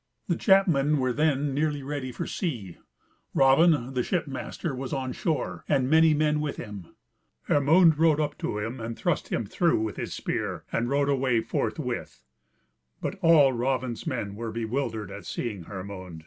The chapmen were then nearly ready for sea; Raven, the ship master, was on shore, and many men with him; Hermund rode up to him, and thrust him through with his spear, and rode away forthwith: but all Raven's men were bewildered at seeing Hermund.